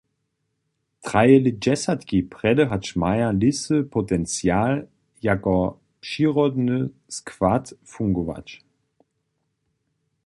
Traje lětdźesatki, prjedy hač maja lěsy potencial, jako přirodny skład fungować.